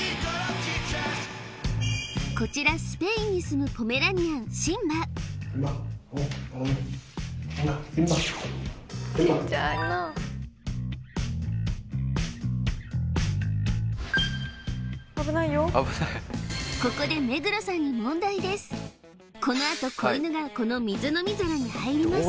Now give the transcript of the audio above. こちらスペインにすむポメラニアンシンバここでこのあと子犬がこの水飲み皿に入ります